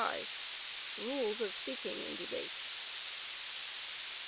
Debate. 65. Rules of Speaking in Debate.